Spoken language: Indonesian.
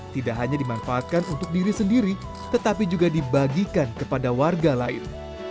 tidak hanya dimanfaatkan untuk diri sendiri tetapi juga dibagikan kepada warga lain